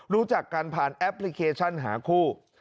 รู้จักกันผ่านแอปพลิเคชันหาคู่